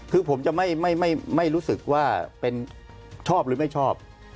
คือผมจะไม่รู้สึกว่าเป็นชอบหรือไม่ชอบ